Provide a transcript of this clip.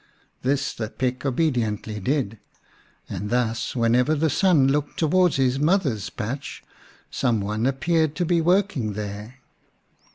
This the pick obediently did, and thus whenever the son looked towards his mother's patch some one appeared to be working there.